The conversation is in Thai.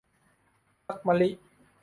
พรรคมะลิ